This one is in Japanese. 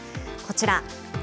こちら。